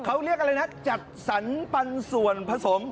เขาเรียกอะไรนะจัดสรรปันส่วนผสม